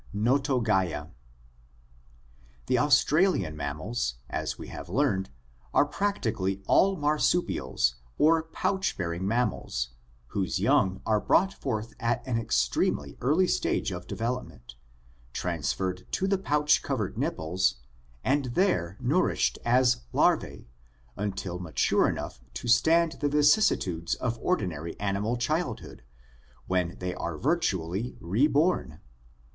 NotogtBa. — The Australian mammals, as we have learned, are practically all marsupials or pouch bearing mammals, whose young are brought forth at an extremely early stage of development, transferred to the pouch covered nipples, and there nourished as "larvae" until mature enough to stand the vicissitudes of ordinary animal childhood, when they are virtually reborn.